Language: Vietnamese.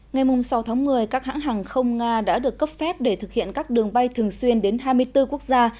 ngày sáu tháng một mươi các hãng hàng không nga đã được cấp phép để thực hiện các đường bay thường xuyên đến hai mươi bốn quốc gia